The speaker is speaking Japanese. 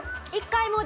１回も？